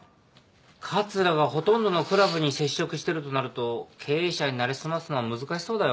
桂がほとんどのクラブに接触してるとなると経営者に成り済ますのは難しそうだよ。